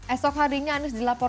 esok hadinya anies dilaporkan